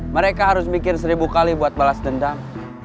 mereka harus mikir seribu kali buat balas dendam